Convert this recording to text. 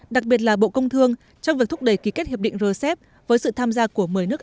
đặc biệt là bộ công thương trong việc thúc đẩy ký kết hiệp định rcep với sự tham gia của một mươi nước